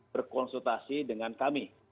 berkonsultasi dengan kami